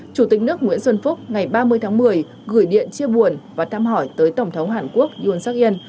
chủ tịch nước nguyễn xuân phúc ngày ba mươi tháng một mươi gửi điện chia buồn và thăm hỏi tới tổng thống hàn quốc yon seok in